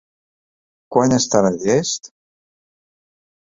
Quan estarà llest?